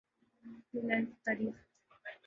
Reliance نے تاریخ